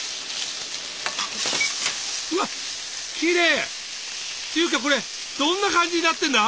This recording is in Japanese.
うわっきれい！というかこれどんな感じになってんだ？